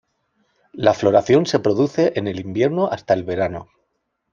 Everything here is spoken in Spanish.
La floración se produce en el invierno hasta el verano.